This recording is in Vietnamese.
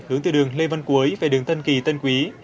hướng từ đường lê văn cuối về đường tân kỳ tân quý